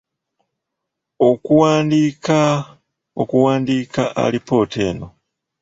okuwandiika okuwandiika alipoota eno